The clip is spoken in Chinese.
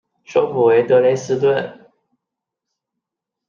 首府为德累斯顿。